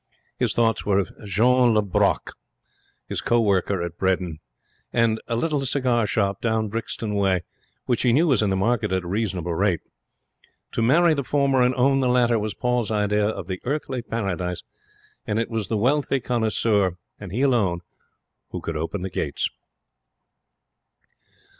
His thoughts were of Jeanne Le Brocq, his co worker at Bredin's, and a little cigar shop down Brixton way which he knew was in the market at a reasonable rate. To marry the former and own the latter was Paul's idea of the earthly paradise, and it was the wealthy connoisseur, and he alone, who could open the gates.